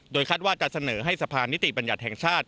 โดยคาดว่าจะเสนอให้สะพานิติบรรยาค์แห่งชาติ